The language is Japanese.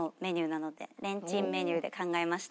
レンチンメニューで考えました。